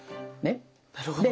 なるほど！